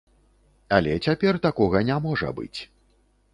Але цяпер такога не можа быць.